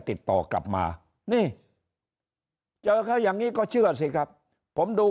ติดต่อกลับมานี่เจอเขาอย่างนี้ก็เชื่อสิครับผมดู